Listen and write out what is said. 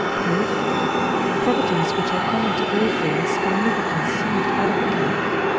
Proof. Properties which are common to all things can only be conceived adequately (II.